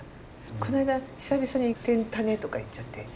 この間久々に「天たね」とか言っちゃって。